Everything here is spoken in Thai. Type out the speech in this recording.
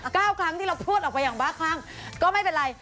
เก้าครั้งที่เราพูดออกไปอย่างบ้าคล่ำก็ไม่เป็นไร